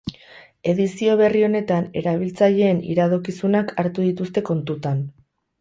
Edizio berri honetan erabiltzaileen iradokizunak hartu dituzte kontutan.